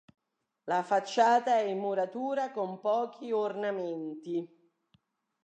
La facciata è in muratura, con pochi ornamenti.